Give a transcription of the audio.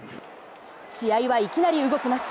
試合はいきなり動きます。